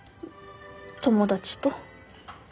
友達と。